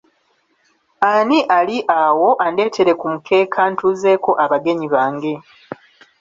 Ani ali awo andeetere ku mukeeka ntuzeeko abagenyi bange.